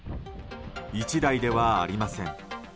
１台ではありません。